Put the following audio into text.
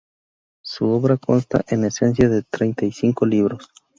Su obra consta en esencia de treinta y cinco libros.